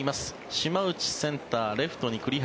島内センター、レフトに栗原